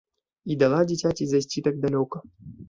І дала дзіцяці зайсці так далёка!